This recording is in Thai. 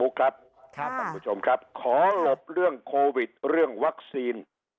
คุณปุ๊กครับค่ะคุณผู้ชมครับขอหลบเรื่องโควิดเรื่องวัคซีน